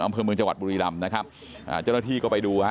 อำเภอเมืองจังหวัดบุรีรำนะครับอ่าเจ้าหน้าที่ก็ไปดูฮะ